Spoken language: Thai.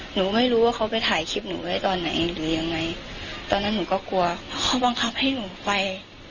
หนูไม่รู้ว่าเขาไปถ่ายคลิปหนูไว้ตอนไหนหรือยังไงตอนนั้นหนูก็กลัวเขาบังคับให้หนูไป